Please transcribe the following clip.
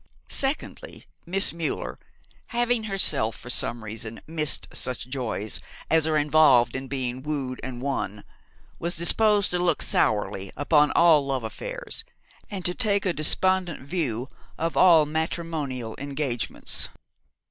Secondly, Miss Müller, having herself for some reason missed such joys as are involved in being wooed and won, was disposed to look sourly upon all love affairs, and to take a despondent view of all matrimonial engagements.